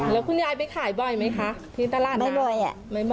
แล้วคุณยายไปขายบ่อยไหมคะที่ตลาดน้้ำไม่บ่อยอ่ะ